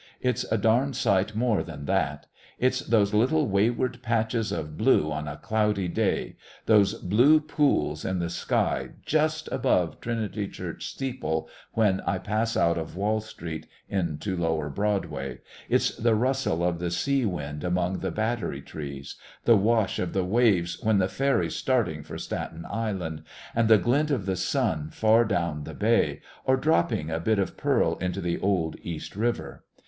It's a darned sight more than that. It's those little wayward patches of blue on a cloudy day; those blue pools in the sky just above Trinity Church steeple when I pass out of Wall Street into Lower Broadway; it's the rustle of the sea wind among the Battery trees; the wash of the waves when the Ferry's starting for Staten Island, and the glint of the sun far down the Bay, or dropping a bit of pearl into the old East River.